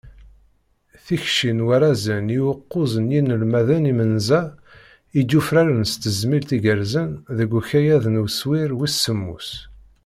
Tikci n warrazen i ukuẓ n yinelmaden imenza, i d-yufraren s tezmilt igerrzen deg ukayad n uswir wis semmus.